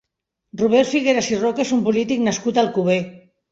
Robert Figueras i Roca és un polític nascut a Alcover.